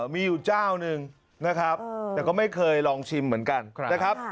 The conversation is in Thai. มีอยู่เจ้าหนึ่งนะครับแต่ก็ไม่เคยลองชิมเหมือนกันนะครับ